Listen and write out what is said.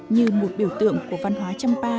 như một biểu tượng của văn hóa trăm pa